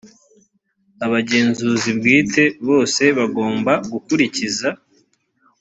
abagenzuzi bwite bose bagomba gukurikiza